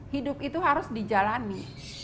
hidup itu harus dijalani